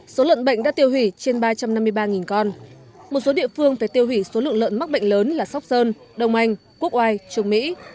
số lợn bệnh đã tiêu hủy trên ba trăm năm mươi ba con một số địa phương phải tiêu hủy số lượng lợn mắc bệnh lớn là sóc sơn đông anh quốc oai trung mỹ